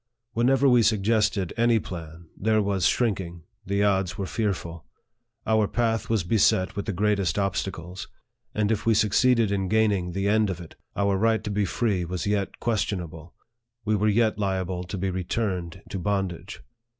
Whenever we suggested any plan, there was shrink ing the odds were fearful. Our path was beset with the greatest obstacles ; and if we succeeded in gaining the end of it, our right to be free was yet questionable we were yet liable to be returned to bondage.